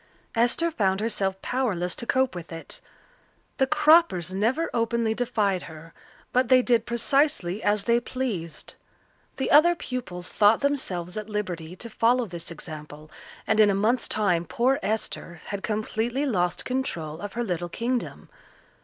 Esther found herself powerless to cope with it. The Croppers never openly defied her, but they did precisely as they pleased. The other pupils thought themselves at liberty to follow this example, and in a month's time poor Esther had completely lost control of her little kingdom.